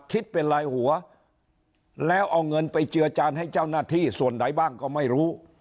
คิดเป็นลายหัวแล้วเอาเงินไปเจือจานให้เจ้าหน้าที่ส่วนไหนบ้างก็ไม่รู้